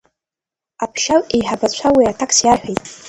Аԥшьаҩ-еиҳабацәа уи аҭакс иарҳәеит…